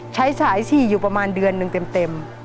ใช้สายฉี่อยู่ประมาณเดือนหนึ่งเต็ม